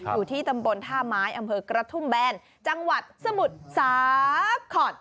อยู่ที่ตำบลท่าไม้อำเภอกระทุ่มแบนจังหวัดสมุทรสาคอต